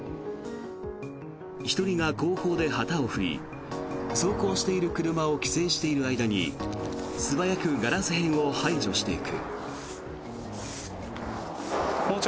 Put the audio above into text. １人が後方で旗を振り走行している車を規制している間に素早くガラス片を排除していく。